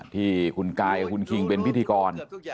ที่คุณกายกับคุณคิงเป็นพิธีกร